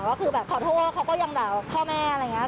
ก็คือแบบขอโทษเขาก็ยังด่าพ่อแม่อะไรอย่างนี้